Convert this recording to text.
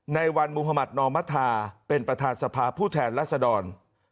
ในวันมุธมัธนอมธาเป็นประธานสภาผู้แทนรัศดร